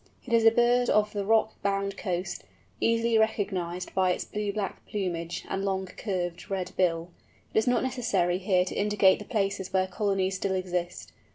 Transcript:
It is a bird of the rock bound coast, easily recognized by its blue black plumage and long, curved, red bill. It is not necessary here to indicate the places where colonies still exist.